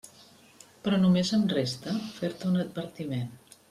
Però només em resta fer-te un advertiment.